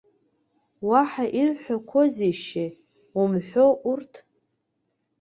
Уаҳа ирҳәақәозеишь умҳәои урҭ?